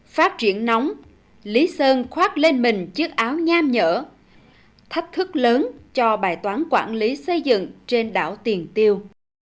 phát triển nóng lý sơn khoát lên mình chiếc áo nham nhở thách thức lớn cho bài toán quản lý xây dựng trên đảo tiền tiêu